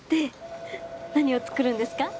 で何を作るんですか？